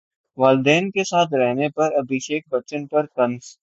والدین کے ساتھ رہنے پر ابھیشیک بچن پر طنز